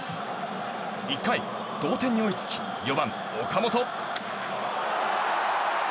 １回、同点に追いつき４番、岡本。